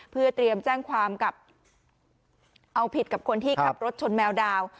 เพื่อเตรียมแจ้งความกับเอาผิดกับคนที่ขับรถชนแมวดาว